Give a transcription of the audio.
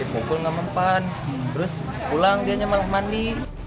pukul gak mempan terus pulang dia nyamak mandi